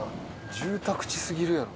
住宅地すぎるやろ。